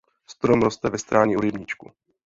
Strom roste ve stráni u rybníčku.